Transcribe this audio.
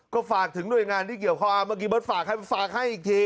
ก็ฝากถึงหน่วยงานที่เกี่ยวข้องเมื่อกี้เบิร์ตฝากให้อีกที